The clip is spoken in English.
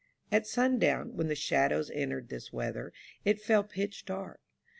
At sundown, when the shadows entered this weather, it fell pitch dark.